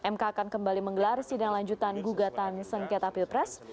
mk akan kembali menggelar sidang lanjutan gugatan sengketa pilpres